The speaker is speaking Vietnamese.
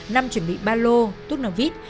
năm chuẩn bị ba lô tút nạp vít